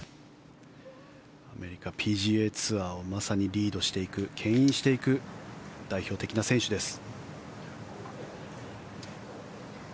アメリカ、ＰＧＡツアーをまさにリードしていくけん引していく代表的な選手です。